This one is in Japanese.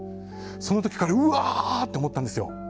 その時、彼うわあって思ったんですよ。